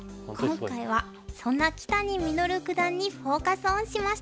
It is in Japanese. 今回はそんな木谷實九段にフォーカス・オンしました。